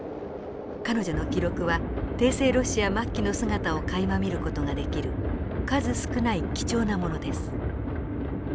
彼女の記録は帝政ロシア末期の姿をかいま見る事ができる数少ない貴重なものです。